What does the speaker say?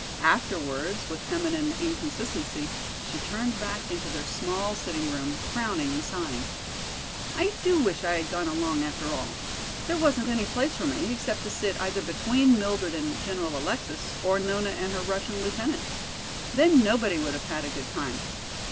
Afterwards, with feminine inconsistency, she turned back into their small sitting room, frowning and sighing. "I do wish I had gone along, after all. There wasn't any place for me, except to sit either between Mildred and General Alexis, or Nona and her Russian lieutenant. Then nobody would have had a good time.